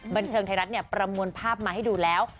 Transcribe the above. บันเทิงไทยรัฐประมวลภาพมาให้ดูแล้ว